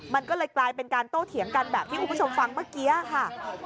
มันก็เลยกลายเป็นการโต้เถียงกันแบบที่คุณผู้ชมฟังเมื่อกี้ค่ะ